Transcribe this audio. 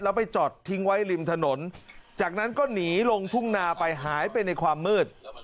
แล้วไปจอดทิ้งไว้ริมถนนจากนั้นก็หนีลงทุ่งนาไปหายไปในความมืด